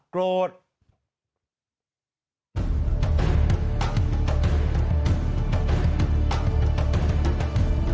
โกฅตน